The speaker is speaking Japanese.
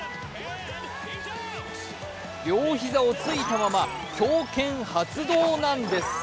両膝をついたまま強肩発動ナンデス。